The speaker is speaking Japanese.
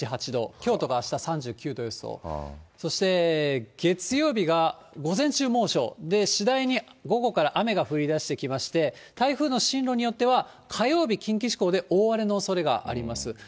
京都があした３９度予想、そして月曜日が午前中猛暑、次第に午後から雨が降りだしてきまして、台風の進路によっては、火曜日、近畿地方で大荒れのおそれがあります。